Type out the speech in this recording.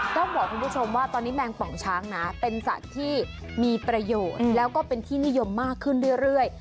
ต้องบอกคุณผู้ชมว่าตอนนี้แมงป่องช้างนะเป็นสัตว์ที่มีประโยชน์แล้วก็เป็นที่นิยมมากขึ้นเรื่อย